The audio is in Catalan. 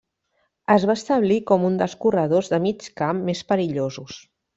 Es va establir com un dels corredors de mig camp més perillosos.